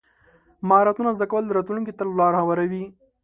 مهارتونه زده کول راتلونکي ته لار هواروي.